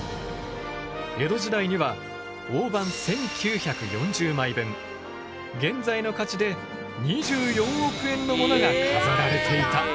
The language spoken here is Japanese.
江戸時代には大判現在の価値で２４億円のものが飾られていた。